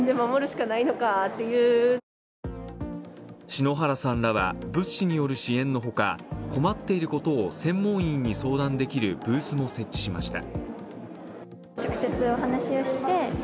篠原さんらは、物資による支援のほか困っていることを専門員に相談できるブースも設置しました。